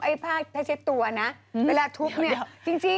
ไอ้ผ้าถ้าเช็ดตัวนะเวลาทุบเนี่ย